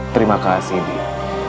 terima kasih nid